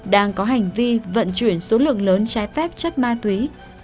đang có hành vi vận chuyển số lượng lớn trái phép chất ma túy